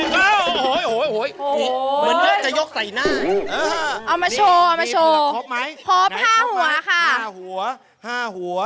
เหมือนกันจะยกใส่หน้าเอามาเอามาพบไหมพบห้าหัวค่ะห้าหัวห้าหัว